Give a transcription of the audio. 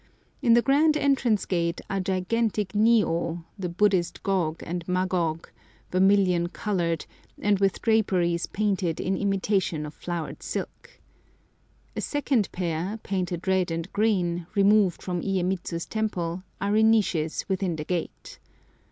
In the grand entrance gate are gigantic Ni ô, the Buddhist Gog and Magog, vermilion coloured, and with draperies painted in imitation of flowered silk. A second pair, painted red and green, removed from Iyémitsu's temple, are in niches within the gate.